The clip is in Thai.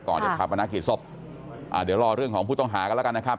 จะพาปนากิจศพอ่าเดี๋ยวรอเรื่องของผู้ต้องหากันแล้วกันนะครับ